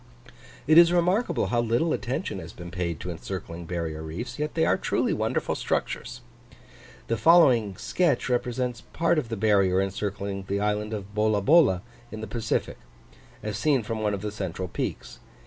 It is remarkable how little attention has been paid to encircling barrier reefs; yet they are truly wonderful structures. The following sketch represents part of the barrier encircling the island of Bolabola in the Pacific, as seen from one of the central peaks.